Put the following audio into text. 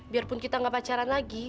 biarpun kita gak pacaran lagi